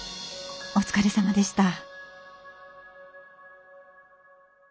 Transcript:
お疲れさまでした！